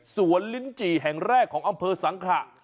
ลิ้นจี่แห่งแรกของอำเภอสังขะ